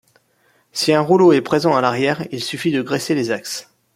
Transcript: Si un rouleau est présent à l'arrière, il suffit de graisser les axes.